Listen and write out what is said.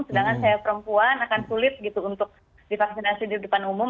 sedangkan saya perempuan akan sulit gitu untuk divaksinasi di depan umum